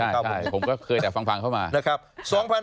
ใช่ผมก็เคยแต่ฟังเข้ามา